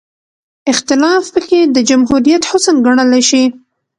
اختلاف پکې د جمهوریت حسن ګڼلی شي.